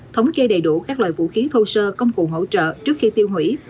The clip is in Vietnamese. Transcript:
thống kê đầy đủ các loại vũ khí thô sơ công cụ hỗ trợ trước khi tiêu hủy